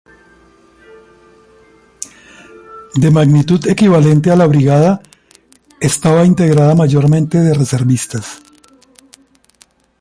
De magnitud equivalente a brigada, estaba integrada mayormente de reservistas.